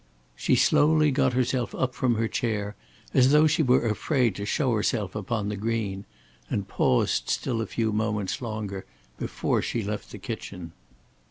She slowly got herself up from her chair as though she were afraid to show herself upon the green, and paused still a few moments longer before she left the kitchen.